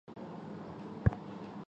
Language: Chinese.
常见于教堂庭院或花园的废弃地。